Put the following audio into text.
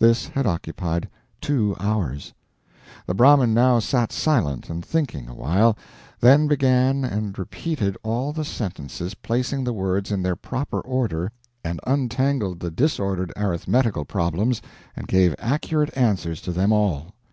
This had occupied two hours. The Brahmin now sat silent and thinking, a while, then began and repeated all the sentences, placing the words in their proper order, and untangled the disordered arithmetical problems and gave accurate answers to them all.